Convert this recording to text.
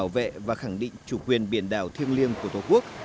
và khẳng định chủ quyền biển đảo thiêng liêng của tổ quốc